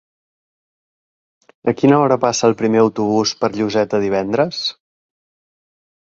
A quina hora passa el primer autobús per Lloseta divendres?